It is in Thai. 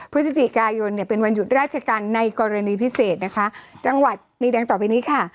พฤศจิกายนเนี่ยเป็นวันหยุดราชการในกรณีพิเศษนะคะจังหวัดดีดังต่อไปนี้ค่ะ